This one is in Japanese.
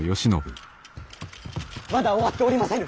まだ終わっておりませぬ。